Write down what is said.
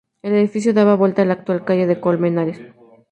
El edificio daba la vuelta a la actual calle de Colmenares.